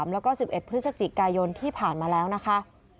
แล้วก็๑๑พฤศจิกายนที่ผ่านมาแล้วนะคะ